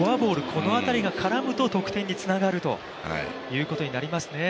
この辺りが絡むと得点につながるということになりますね。